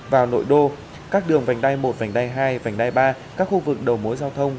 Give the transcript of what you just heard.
vào nội đô các đường vành đai một vành đai hai vành đai ba các khu vực đầu mối giao thông